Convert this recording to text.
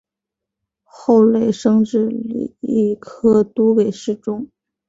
后累升至礼科都给事中。